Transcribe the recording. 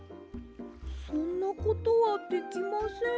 そんなことはできません。